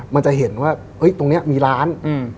มันจะเห็นว่าตรงนี้มีร้าน